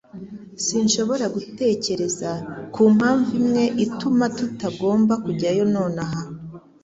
Sinshobora gutekereza kumpamvu imwe ituma tutagomba kujyayo nonaha.